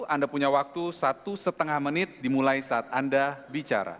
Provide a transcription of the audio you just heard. anda punya waktu satu lima menit dimulai saat anda bicara